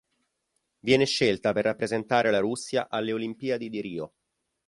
Viene scelta per rappresentare la Russia alle Olimpiadi di Rio.